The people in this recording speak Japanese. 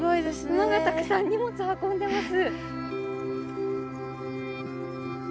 馬がたくさん荷物運んでます。